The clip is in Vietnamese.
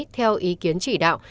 theo ý kiến chỉ đạo